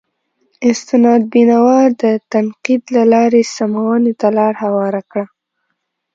استناد بینوا د تنقید له لارې سمونې ته لار هواره کړه.